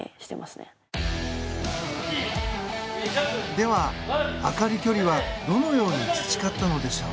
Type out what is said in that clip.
では、朱理距離はどのように培ったのでしょう。